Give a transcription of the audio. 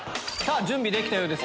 準備できたようです